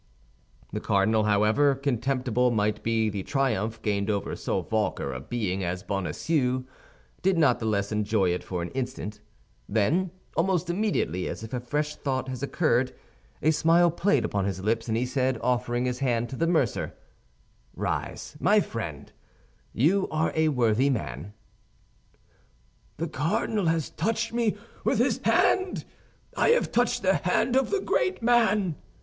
The cardinal, however contemptible might be the triumph gained over so vulgar a being as Bonacieux, did not the less enjoy it for an instant; then, almost immediately, as if a fresh thought has occurred, a smile played upon his lips, and he said, offering his hand to the mercer, "Rise, my friend, you are a worthy man." "The cardinal has touched me with his hand! I have touched the hand of the great man!"